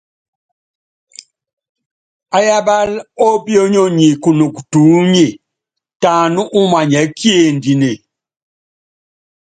Ayábál ópíónyonyi kunɔk tuúnye tɛ aná umanyɛ́ kiendine.